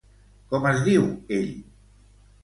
Com es diu ell?